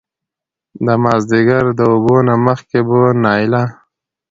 د مازديګر د اوبو نه مخکې به نايله